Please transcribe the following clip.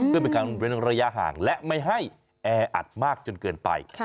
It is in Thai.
เพื่อเป็นการเว้นระยะห่างและไม่ให้แออัดมากจนเกินไป